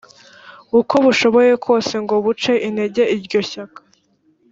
uko bushoboye kose ngo buce intege iryo shyaka